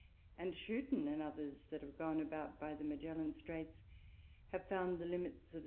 And Schooten and others that have gone about by the Magellan Streights, have found the Limits of S.